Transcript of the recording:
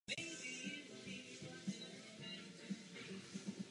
Měl celkem čtyři sourozence.